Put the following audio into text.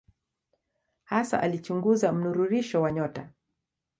Hasa alichunguza mnururisho wa nyota.